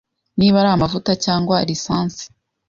niba ari amavuta cyangwa lisansi.